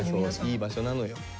いい場所なのよ。